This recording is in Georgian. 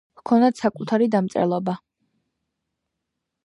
ჰქონდათ საკუთარი დამწერლობა.